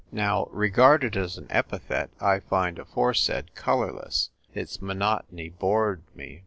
Now, regarded as an epithet, I find "afore said " colourless. Its monotony bored me.